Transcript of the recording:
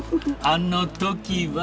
あの頃は